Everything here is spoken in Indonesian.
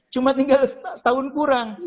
cuma tinggal setahun kurang